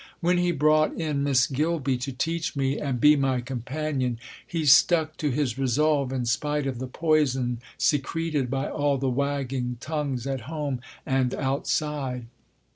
When he brought in Miss Gilby, to teach me and be my companion, he stuck to his resolve in spite of the poison secreted by all the wagging tongues at home and outside.